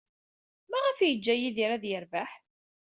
Maɣef ay yeǧǧa Yidir ad yerbeḥ?